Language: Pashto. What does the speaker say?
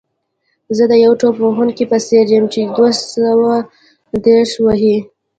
زه د یو توپ وهونکي په څېر یم چې دوه سوه دېرش وهي.